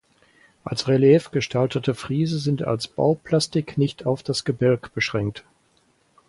Als Relief gestaltete Friese sind als Bauplastik nicht auf das Gebälk beschränkt.